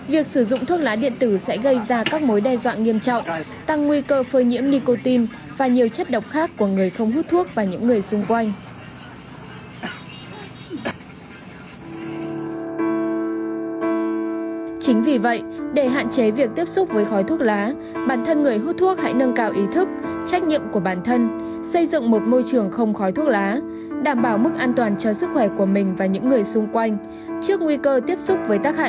việc sử dụng thuốc lá điện tử sẽ gây ra các mối đe dọa nghiêm trọng tăng nguy cơ phơi nhiễm nicotin và nhiều chất độc khác của người không hút thuốc và những người xung quanh